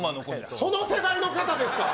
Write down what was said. その世代の方ですか？